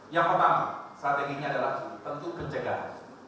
yang pertama strateginya adalah tentu pencegahan